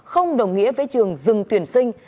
không đồng nghĩa với trường dừng tuyển sinh